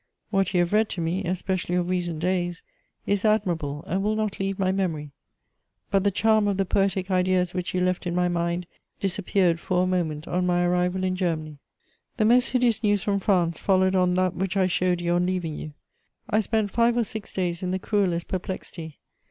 What you have read to me, especially of recent days, is admirable and will not leave my memory. But the charm of the poetic ideas which you left in my mind disappeared for a moment on my arrival in Germany. "The most hideous news from France followed on that which I showed you on leaving you. I spent five or six days in the cruellest perplexity.